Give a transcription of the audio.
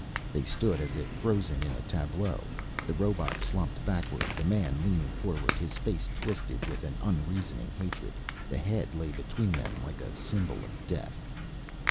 They stood as if frozen in a tableau. The robot slumped backward, the man leaning forward, his face twisted with unreasoning hatred. The head lay between them like a symbol of death.